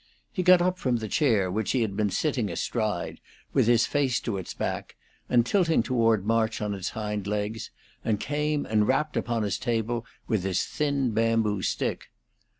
He got up from the chair which he had been sitting astride, with his face to its back, and tilting toward March on its hind legs, and came and rapped upon his table with his thin bamboo stick.